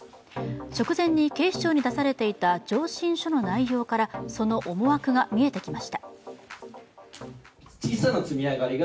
直前に警視庁に出されていた上申書の内容からその思惑が見えてきました。